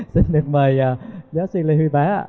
xin được mời giáo sư lê huy bá